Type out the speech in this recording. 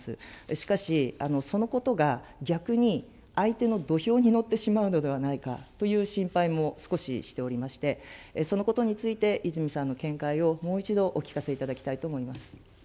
しかし、そのことが逆に相手の土俵に乗ってしまうのではないかという心配も少ししておりまして、そのことについて、泉さんの見解をもう一度お聞かせいただきたいと思います。